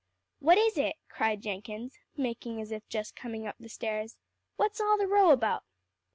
"What is it?" cried Jenkins, making as if just coming up the stairs. "What's all the row about?"